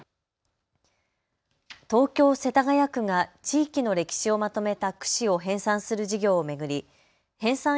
東京世田谷区が地域の歴史をまとめた区史を編さんする事業を巡り編さん